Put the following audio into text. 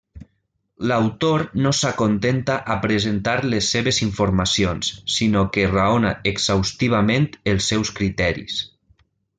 L'autor no s'acontenta a presentar les seves informacions sinó que raona exhaustivament els seus criteris.